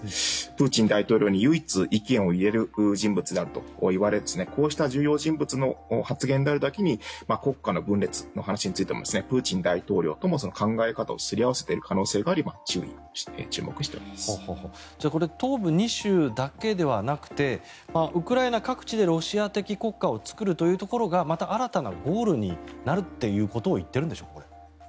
プーチン大統領に唯一意見を言える人物であるといわれこうした重要人物の発言であるだけに国家の分裂の話についてもプーチン大統領とも考え方をすり合わせている可能性もあり東部２州だけではなくてウクライナ各地でロシア的国家を作るというところがまた新たなゴールになるということを言ってるんでしょうか。